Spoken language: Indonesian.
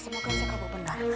semoga itu kamu benar